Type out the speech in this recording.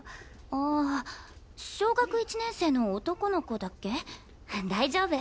あぁ小学１年生の男の子だっけ大丈夫！